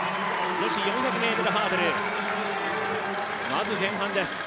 女子４００ｍハードル、前半です。